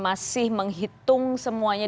masih menghitung semuanya